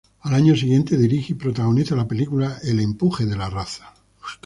Al año siguiente dirige y protagoniza la película "El empuje de la raza".